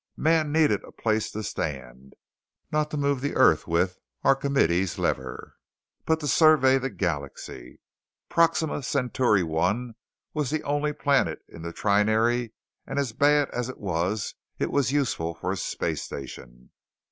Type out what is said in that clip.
Man needed a place to stand; not to move the earth with Archimedes's lever but to survey the galaxy. Proxima Centauri I was the only planet in the trinary and as bad as it was, it was useful for a space station.